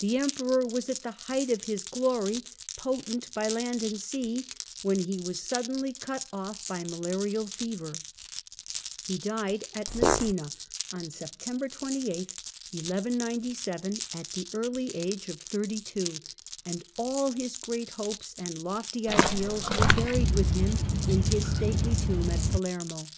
The Emperor was at the height of his glory, " potent by land and sea," when he was suddenly cut off by malarial Death of fevcr. He died at Messina on September 28, 1197, at Septr^2l^*' ^^® ®^^^y ^§®^^ thirty two, and all his great hopes and 1197 lofty ideals were buried with him in his stately tomb at Palermo.